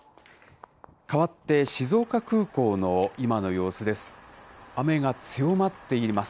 かわって、静岡空港の今の様子です。